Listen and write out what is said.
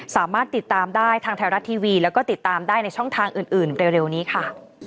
สามารถติดตามได้ทางไทยรัฐทีวีแล้วก็ติดตามได้ในช่องทางอื่นเร็วนี้ค่ะ